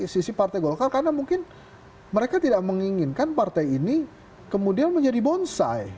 sisi partai golkar karena mungkin mereka tidak menginginkan partai ini kemudian menjadi bonsai